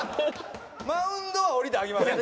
マウンドは降りたらあきません。